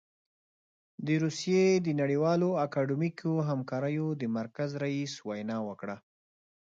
د روسيې د نړیوالو اکاډمیکو همکاریو د مرکز رییس وینا وکړه.